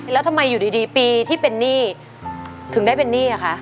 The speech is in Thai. แล้วทำไมอยู่ดีปีที่เป็นหนี้ถึงได้เป็นหนี้อ่ะคะ